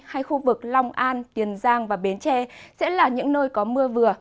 hay khu vực long an tiền giang và bến tre sẽ là những nơi có mưa vừa